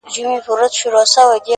• او مېر من یې وه له رنګه ډېره ښکلې ,